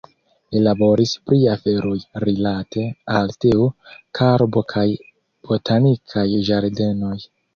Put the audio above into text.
Li laboris pri aferoj rilate al teo, karbo kaj botanikaj ĝardenoj.